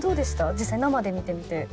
実際生で見てみて。